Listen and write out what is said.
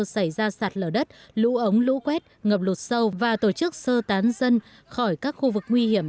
xảy ra sạt lở đất lũ ống lũ quét ngập lụt sâu và tổ chức sơ tán dân khỏi các khu vực nguy hiểm